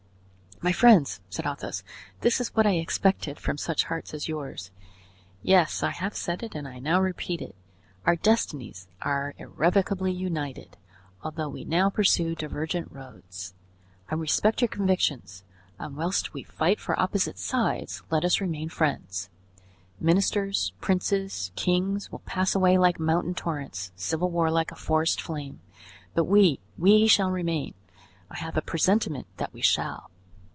"My friends," said Athos, "this is what I expected from such hearts as yours. Yes, I have said it and I now repeat it: our destinies are irrevocably united, although we now pursue divergent roads. I respect your convictions, and whilst we fight for opposite sides, let us remain friends. Ministers, princes, kings, will pass away like mountain torrents; civil war, like a forest flame; but we—we shall remain; I have a presentiment that we shall."